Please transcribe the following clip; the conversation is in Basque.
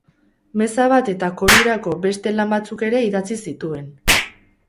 Meza bat eta korurako beste lan batzuk ere idatzi zituen.